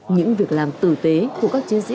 những việc làm tử tế của các chiến sĩ